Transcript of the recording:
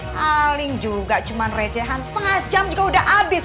paling juga cuman recehan setengah jam juga udah berhasil